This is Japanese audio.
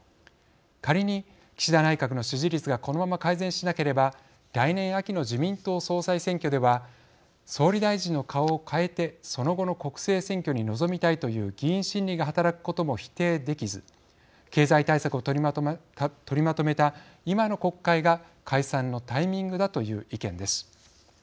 仮に岸田内閣の支持率がこのまま改善しなければ来年秋の自民党総裁選挙では総理大臣の顔を代えてその後の国政選挙に臨みたいという議員心理が働くことも否定できず経済対策を取りまとめた今の国会が解散のタイミングだという意見です。